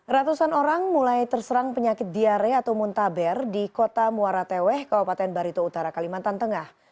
ratusan orang mulai terserang penyakit diare atau muntaber di kota muara teweh kabupaten barito utara kalimantan tengah